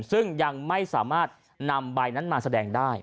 ซึ่งยังไม่สามารถนำใบนั้นมาแสดงได้